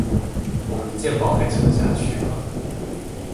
我們的健保還撐得下去嗎